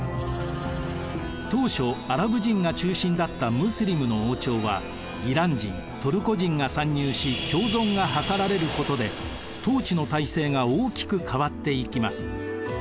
当初アラブ人が中心だったムスリムの王朝はイラン人・トルコ人が参入し共存が図られることで統治の体制が大きく変わっていきます。